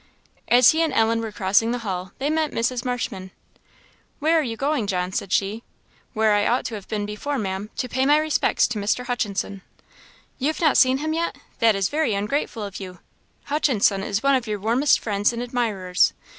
As he and Ellen were crossing the hall, they met Mrs. Marshman. "Where are you going, John?" said she. "Where I ought to have been before, Ma'am to pay my respects to Mr. Hutchinson." "You've not seen him yet! that is very ungrateful of you. Hutchinson is one of your warmest friends and admirers.